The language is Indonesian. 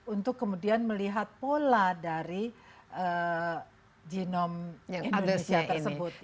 untuk kemudian melihat pola dari genome indonesia tersebut